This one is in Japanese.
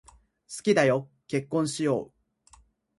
好きだよ、結婚しよう。